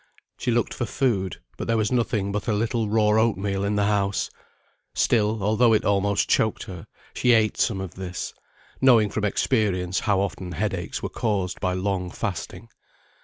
She looked for food, but there was nothing but a little raw oatmeal in the house: still, although it almost choked her, she ate some of this, knowing from experience, how often headaches were caused by long fasting.